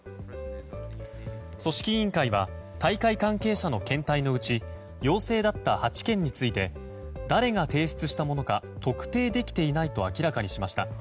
組織委員会は大会関係者の検体のうち陽性だった８件について誰が提出したものか特定できていないと明らかにしました。